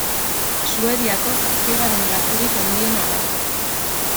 Suediako zazpigarren lakurik handiena da.